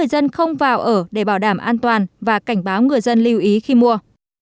dân không vào ở để bảo đảm an toàn và cảnh báo người dân lưu ý khi mua